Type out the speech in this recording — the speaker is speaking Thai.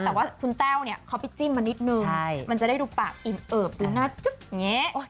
แต่ว่าคุณแต้วเนี่ยเขาไปจิ้มมานิดนึงมันจะได้ดูปากอิ่มเอิบดูหน้าจึ๊บอย่างนี้